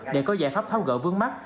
để có giải pháp tháo gỡ vướng mắt